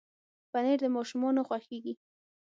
پنېر د ماشومانو خوښېږي.